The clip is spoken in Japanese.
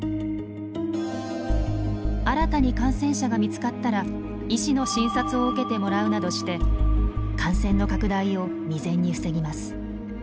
新たに感染者が見つかったら医師の診察を受けてもらうなどして感染の拡大を未然に防ぎます。